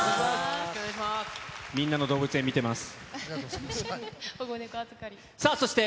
みんなの動物園見てます。